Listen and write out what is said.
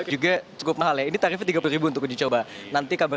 juga cukup mahal ya ini tarifnya rp tiga puluh untuk dicoba